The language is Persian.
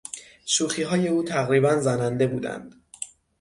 شوخیهای او تقریبا زننده بودند.